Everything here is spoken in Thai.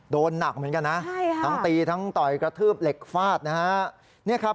โดนหนักเหมือนกันนะใช่ค่ะทั้งตีทั้งต่อยกระทืบเหล็กฟาดนะฮะ